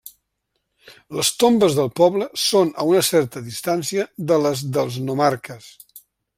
Les tombes del poble són a una certa distància de les dels nomarques.